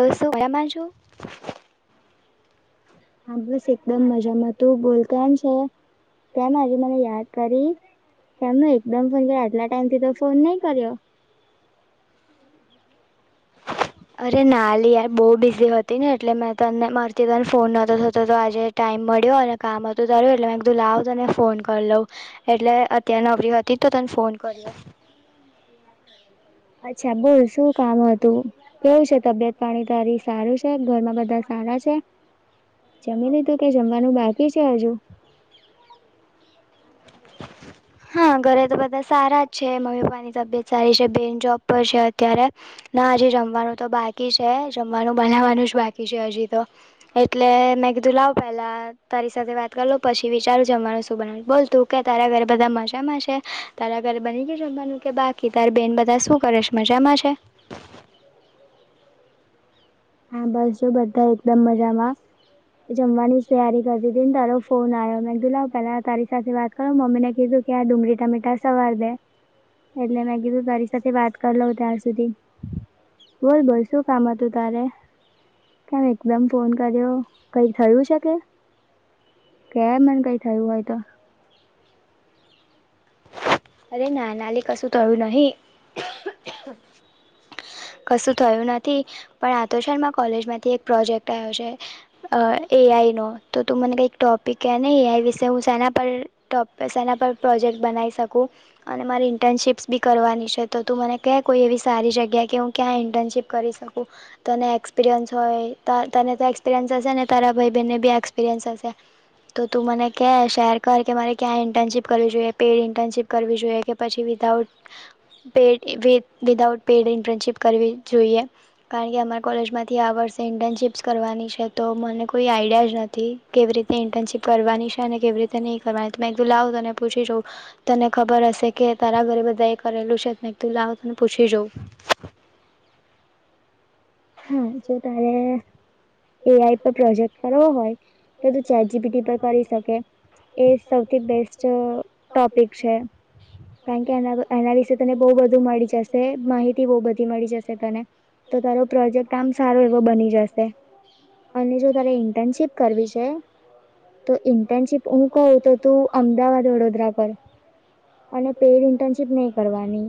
હ, શુંરામાં જોું હા, બસ એકદમ મજામા, તું બોલતા એમ છે. તમ હજુ, મને યાદ કરી કેમનો એકદમ ફોન કર્યો આટલા ટાઈમથી, તો ફોન નહી કર્યો હમ અરે નાલી યાર બહુ બિઝી હતી, ને એટલે મે તને મારીથી તને ફોન નતો તો આજે ટાઈમ મળ્યો અને કામ હતુ, તાર્યું એટલે એકધું લાવ, તને ફોન કરી લઉ એટલે અ્યારે નબરી હતી, તો તને ફોન કર અચ્છા બોલ શું કામ હતું કેવું છે, તબિયત પાણી તારી સારું ઘરમાં બધા સારા છે. જમી લીધુ, તો કે જમવાનું બાકી છે, હજુ. [inaudible] [inaudible] હા, ઘરે તો બધા સારા જ છે, મમ્મી પપ્પા ની તબિયત સારી છે બેન જોબ પર છે, અત્યારે ના હજી, જમવાનું તો બાકી છે, જમવાનું બનાવવાનું જ બાકી છે, હજી તો એટલે મેં કી દુ તું લાવ પેલા તારી સાથે વાત કર લઉં પછી, વિચારું જમવાનું શું બનાવ બોલ તું. કે તારા ઘરે બધા મજામાં છે, તારા ઘરે બની ગયું જમવાનું કે બાકી તારી બેહેન બધા શું કરેશ મજામાં છે. [inaudible] હા, બસ જો બધા એકદમ મજામાં. જમવાની જ તૈયારી કરતી હતી, ને તારો ફોન આવ્યો મે તુ લાવ પેલા તારી સાથે વાત કરો મમ્મી ને કીધું કે, આ ડુંગળી ટામેટા સમાર દે એટલે મે કીધું તારી સાથે વાત કરી લઉ, ત્યાં સુધી બોલ બોલ શું કામ હતું તારે. કેમ એકદમ ફોન કર્યો કઈ થયું છે, કે. કે મને કઈ થયું હોય, તો અરે નાનાલી કશું થયું, નહી કશું થયું નથી, પણ આ તો છે, કોલેજમાંથી એક પ્રોજેક્ટ આવ્યો છે, અ એઆઈનો તો તું મને કઈક ટોપિક છેને, એ આઈ વિશે, હું સેના પર સેના પર પ્રોજેક્ટ બનાઈ સ શકુ અને મારે ઇન્ટર્નશીપ બી કરવાની છે, તો તું મને કે કોઈ એવી સારી જગ્યા કે હું, ક્યાં હું ઇન્ટર કરી શકું, તને એક્સપિરિયન્સ હોય તને તો એક્સપિરયન્સ હશે, ને તારા ભાઈ બહેનને બી એક્સ એક્સપિરિયન્સ હશે, તો તું મને કર શેર કર કે મારે ક્યાં ઇન્ટર્નશીપ કરવી જોઈએ પેડ ઇન્ટર્નશીપ કરવી જોઈએ, કે પછી without paid paid without internship કરવી જોઈએ. કારણ કે અમારા કોલેજમાંથી આ વર્ષે ઇન્ટર્નશીપ્સ કરવાની છે, તો મને કોઈ આઈડિયા જ નથી. કેવી રીતે ઇન્ટર્નશીપ કરવાની છે, કેવી રીતે નહીં, કરવાની મે કીધું લાવું તને પૂછી જોઉં. તને ખબર હશે, કે તારા ઘરે બધા એ કરેલું છે નેં તું તને પૂછી જોઉં. [inaudible] હા, જો તારે એ આઈ પર પ્રોજેક્ટ કરવો હોય, તો તું ચેટ જીપીટી પર કરી શકે એ સૌથી બેસ્ટ છે, અ ટોપિક છે, કારણ કે આના વિશે, તને બહુ બધું મળી જો જાણીશ બ બધી મળી જશે, તને તો તારો પ્રોજેક્ટ આમ સારો એવો બની જશે, અને જો તારે ઇન્ટર્નશીપ કરવી છે તો ઇન્ટર્નશીપ હુ, કહું તો તું અમદાવાદ વડોદરા કર. અને પેડ ઇન્ટર્નશીપ નહી, કરવાની.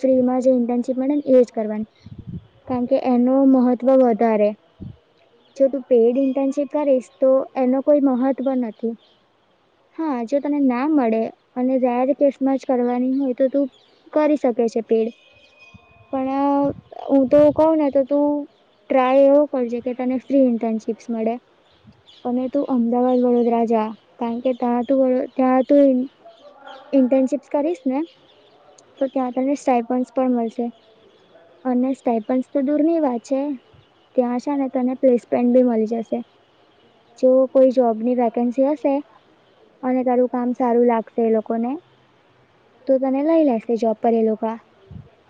ફ્રી મા જે ઇન્ટર્નશીપ મળે ને એજ કરવાની, કારણ કે એનુ મહત્વ, વધારે જો તું પેડ ઇન્ટર્નશીપ કરીશ તો એનો કોઈ મહત્વ નથી હા જો તને ના ના મળે અને જાહેર કેસમાં જ કરવાની હોય તો તું કરી શકે છે પેડ. પણ હું તો કઉ ને તો તું ટ્રાય એવો કરજે કે તને ફ્રી ઇન્ટર્નશીપ્સ મળે. અને તું અમદાવાદ વડોદરા જા કારણ કે ત્યાં તું ત્યાં હમ્મ. ઇન્ટર્નશીપ્સ કરીશ ને તો ત્યાં તમને સ્ટાઇપન્સ પણ મળશે. અને સ્ટાઈપન્સ તો દૂરની વાત છે ત્યાં છે ને તને પ્લેસમેન્ટ ભી મળી જશે. જો કોઈ જોબની વેકેન્સી હશે અને તારું કામ સારું લાગશે એ લોકો લોકોને તો તને લઈ લેશે જોબ પર એ લોકા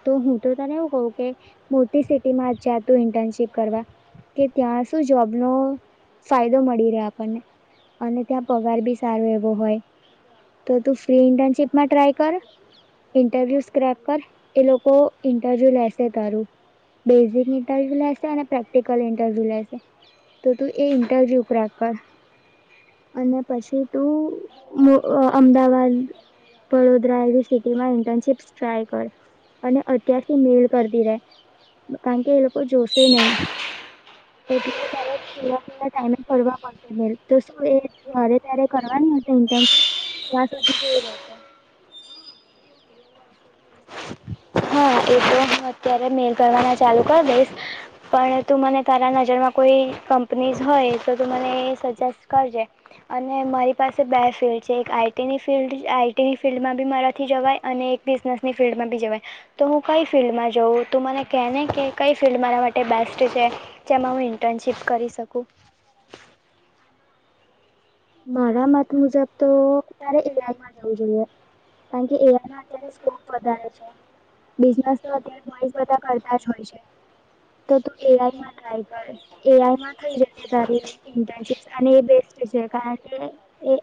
તો હું તો તને એવું કહું કે મોટી સિટી માં જ જા તું ઇન્ટર્નશીપ કરવા કે ત્યાં શું જોબનો ફાયદો મળી રહે આપણને. અને ત્યાં પગાર બી સારો એવો હોય તો તું ફ્રી ઇન્ટર્નશીપમાં ટ્રાય કર ઇન્ટરવ્યુ સ્ક્રેપ કર એ લોકો ઇન્ટરવ્યુ લેશે. તારું. [unintelligible] અને પછી તું ઉમ અમદાવાદ વડોદરા યુનિવર્સિટીમાં ઇન્ટર્નશીપ ટ્રાય કર. અને અત્યારથી મેલ કરતી રહે કારણ કે એ લોકો જોશે નહી. એટલે ત ટાઈમે કરવાડશે તો શું એરે ત્યારે કરવાની. [unintelligible] [inaudible] હા એ તો હું અત્યારે મેલ ભરવાના ચાલુ કરી દઈશ. પણ તું મને તારા નજરમાં કોઈ કંપનીઝ હોય તો તું મને સજેસ્ટ કરજે. અને મારી પાસે બે ફિલ્ડ છે એક આઈટીની ફિલ્ડ આઈટીની ફિલ્ડમાં બી મારાથી જવાય અને એક બિઝનેસની ફિલ્ડ [unintelligible] તો હું કઈ ફિલ્ડમાં જઉ ત મને કેને કઈ ફિલ્ડ મારા માટે બેસ્ટ છે. જેમાં હું ઇન્ટર્નશીપ કરી શકું. [inaudible] મારા મત મુજબ તો તારે [unintelligible] જોઈએ. કારણકે એ અત્યારે સ્કોપ વધારે છે. બિઝનેસ તો અત્યારે બોઈસ બધા કરતા જ હોય છે. તો તું એઆઈમાં ટ્રાય કર એઆઈમાં થઈ જશે તારી એ બેસ્ટ છે. કારણ કે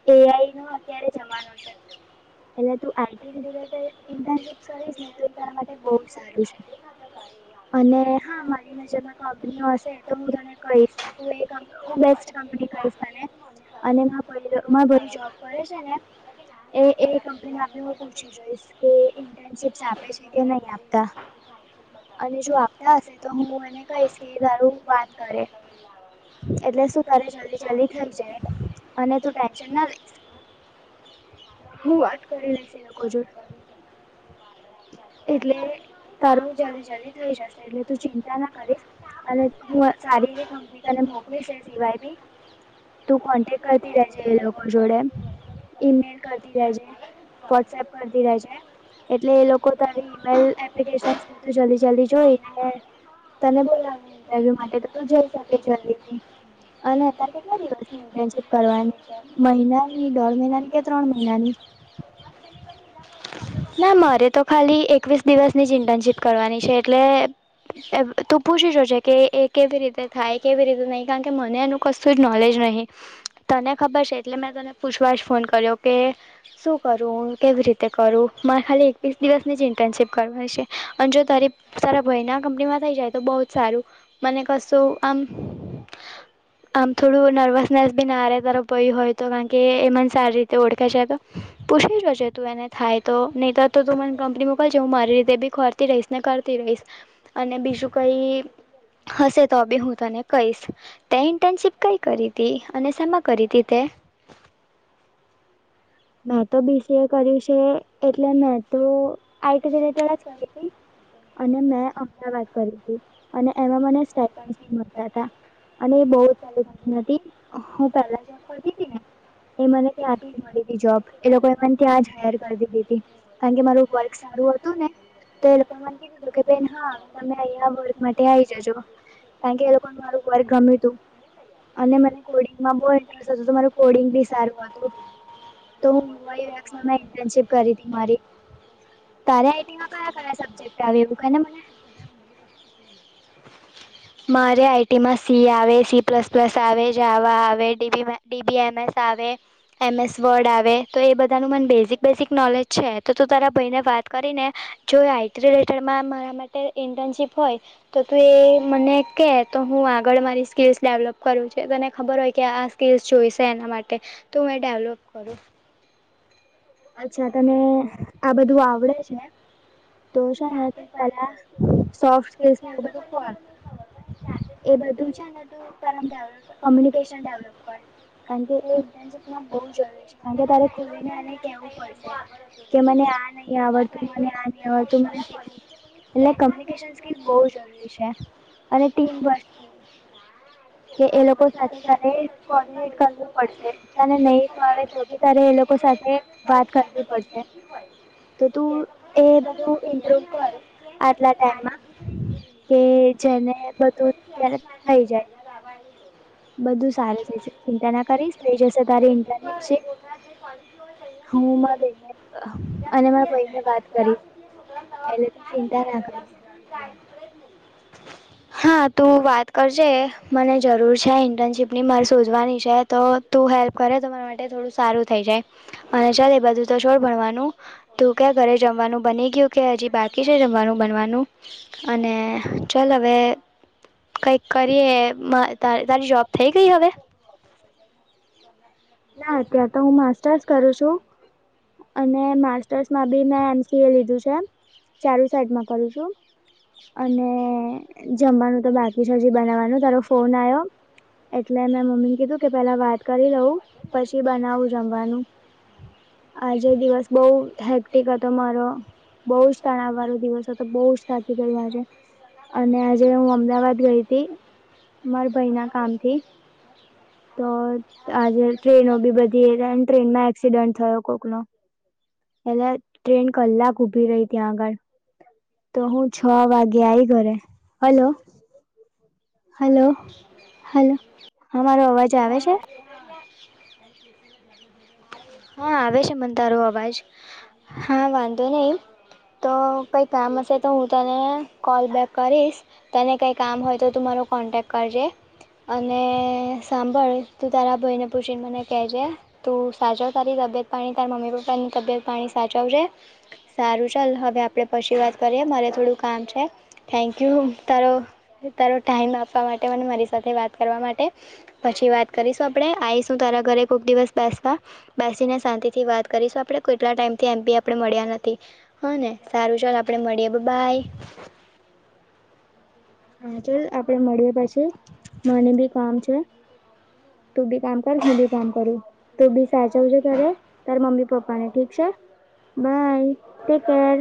તૈયારીનો અત્યારે જમાનો [unintelligible] એ આઈટી રી ઇન્ટનશીપ માટે બઉ સારી અને હા મારી જેમાં કંપનીઓ હશે તો હું ત કહી [unintelligible] અને તો એમાં ઘઉ જોબ કરે છે ને એ કંપની આપ હું પૂછી જઈશ કે ઇન્ટનશપ સાથે [unintelligible] અને જો આપડા હે તો હું મને કશ વાત કરો. એટલે શું તારે જલ્દી જલ્દી થઇ જાય અને તું ટેન્શન ના લઈ. હું વાટ કરીને [unintelligible] એટલે તારું જલ્દી જલ્દી થઈ જશે એ તો ચિંતા ન કરું અને સારી એ કોપ તને મોકલી છે. એ સિવાયથી તું કોન્ટેક્ટ કરતી રેજે એ લોકો જોડે. ઈમેલ કરતી લેજે વોટ્સએપ કરતી લેજે એટલે તારી ઈમેલ એપ્લિકેશન જલ્દી જલ્દી જોઈને તને બ માટે, તો તું [unintelligible] અને, [unintelligible] ફરવાની મહિનાની દોઢ મહિનાની, કે ત્રણ મહિનાની ના મારે, તો ખાલી એકવીસ દિવસની ચઇન્ટનશીપ કરવાની છે, એટલે તુ પૂછી શજે કે એ કેવી રીતે થાય, કેવી રીતે નહી. કારણ કે મને એનું કશું જ નોલેજ રહે તને ખબર છે, એટલે મેં તને પૂછવા જ ફોન, કર્યો કે શું કરું? કેવી રીતે કરુ? મારે ખાલી એકવીસ દિવસની જ ઇન્ટર્નશીપ કરવાની છે, અને જો તારી સારા ભયના કંપનીમાં થઈ જાય તો બહુ સારુ મને કશ આમ આમ થોડુ, નર્વસ નર્વસ ભ તારો ભય હોય, તો કારણ કે એ મને સારી રીતે ઓળખે છે, પૂછી તું એને થાય તો નહી તોુ મને કંપની મોકલજ હુ, મારી રીતે બી ખોરતી રહીશ ને કરતી રહીશ, અને બીજું કઈ હશે, તો હી હું તને કહીશ, તે ઇન્ટર્નશીપ કઈ કરી હતી અને કરી, તે મે તો બીજું કર્યું છે, એટલે મેં તો આઈ તો કરી છું. અને મેં અમદાવાદ કરી હતી, અને એમાં મને એક સરપંચ બ મળતા હતા, અને એ બહુ પેલા જે ફકીી, હતી ને એ મને ત્યાંથી જ મળી, તું જોબ એ લોકોનેમ ત્યાં જ હાર કાઢીધીું માું વર્ક સ હતુ, ને તો એ લોકો મને કીધીધું કે બે ના આવે તમે અ માટે આવી, જજો કારણ, કે એ લોકો મારું વર્ગ ગમ્યું તું અને મને થોડી. ન બો એન્ટ્ર તને કોડિંગથી સારીું, વાતર હતી. તેને નિલાઈ, વસ મને ઇન્ટર્નશીપ ચરિટી મળી. કારવામા ક ક સબ્જેક્ટ, કાર્ય મને મારે આઈટીમાસી આવે સી પ્લસ, પ્લસ આવે જ. સ આવે એસ વર્ડ આવે, તો એ બધાનું મ બેઝિક બે નોલેજ છે, તો તું તારા ભાઈ ને વાત કરીને જો એ આઈટી રિલેટેડમાં મારા માટે ઇન્ટર્નશીપ હોય, તો તું એ મને કે, તો હું, આગળ મારી સ્કીલ્સ ડેવલપ કરું છ છે, તો ખબર હોય, કે આ સ્કીલ્સ જોઈશે એના માટે તો હુ, ડેવલોપ કરું અચ્છા, તને આ બધું આવડે છે. તો જાણે પેલા, સોફ્ટ [unintelligible] [unintelligible] છેને [unintelligible] કૉમ્યૂનિકેશન ડાઉનલોડ કર [unintelligible] ને આ બાબને આ [inaudible] કમ્યુનિકેશન સ્કિલ બહુજ છે, અને ટ બસ કે એ લોકો કોટ કરવું પડશે, તને નહી, ફાવ તો ત લોકો સાથે, વાત કરવી પડશે તો, તું એ ઈન્ટ્રો કર આલા, ટમ [unintelligible] [unintelligible] ઘરેઠ પાણી, પને કએ હમા [inaudible] હા, તું વાત કરજે મને જરૂર છે, ઇન્ટર્નશીપની મારે શોજવાની છે, તો તું હેલ્પ, કરે તો તમારા માટે થોડું સારું થઈ જાય. અને ચાલ એ બધુ, તો છોડ ભણવાનું તું ક્યાં ઘરે જમવાનું બની ગયુ, કે હજી બાકી છે, જમવાનું બને વાનુ અને ચાલ હવે. કઈક કરીએ, તારી જોબ થઈ, ગઈ હવે ના ત્યાં તો હું માસ્ટર્સ કરું છું અને માસ્ટર્સમાં ીને એમથીએમ રીધ ચાલ ચજમાં કરીશું અને. જમવાનું તો બાકી. ફોન આવ્યો એટલે મે મું કે પહેલા વાત કરી રહું. બવ જમવાનું આજે દિવસ બ હેપ્ટ. તમા મારો [inaudible] બહજ તણાવ વાળો દિવસ હતો બહુજ થ ગયો આજે અને આજે હું અમદાવાદ ગઈ હતીથી મારા ભાઈ ના કામથી. તો આજે ટ્રેનો બી બધી ટ્રેનમાં. એક્સીિડન્ટ થયો કોક ન પલા ટ્રેન કલાક ઉભી રહી ત્યાં આગળ. તો હું છ વાગે આઈ ઘરે હલો. હલો હ હ. હ. હા આવે છે મન તારો અવાજ હા વાંધો નહી તો કઈ કામ હશે તો હું તને કોલ બેેક કરીશ તને કઈ કામ હોય તો તું મારુ નો કોન્ટેક કરજે અને. સાંભળ તું તારા ભયને પુછીને મને કહેજે તું સાચા સારી તબિયત પાણી તારી મમ્મી પપ્પાની તબિયત પાણી સાચવજે સારું ચાલ હવે આપડે પછી વાત કરીએ મારે થોડું કામ છે. થેન્ક યુ તારો તારો ટાઈમ આપવા માટે મને મારી સાથે વાત કરવા માટે. પછી વાત કરીશું આપડણે આઈશું તારા ઘરે કોક દિવસ બેસવા બેસીને શાંતિ થી વાત કરીશું આપણે. ટલા ટાઈમ થી એમ બી આપે મળ્યા નથી. હા ને સારું ચાલ આપડે મળીએ બાય હા ચાલ આપડે મળીએ પછી મને ભી કામ છે. તું બી કામ કર હું બી કામ કરું તું બી સાચવ છ ત્યારે તાર મમ્મી પપ્પા ને ઠીક છે. Bye take care.